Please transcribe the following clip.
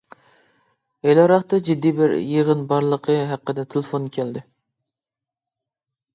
ھېلىراقتا جىددىي بىر يىغىن بارلىقى ھەققىدە تېلېفون كەلدى.